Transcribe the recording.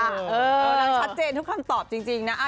นางชัดเจนทุกคำตอบจริงนะ